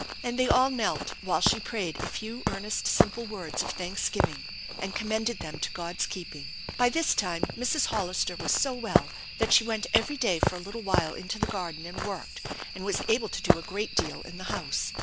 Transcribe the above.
And they all knelt while she prayed a few earnest, simple words of thanksgiving and commended them to God's keeping. By this time Mrs. Hollister was so well that she went every day for a little while into the garden and worked, and was able to do a great deal in the house.